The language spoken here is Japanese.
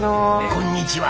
「こんにちは」。